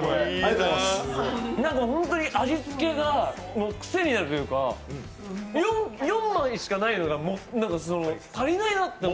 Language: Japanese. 本当に味付けが癖になるというか、４枚しかないのが、足りないなって思う。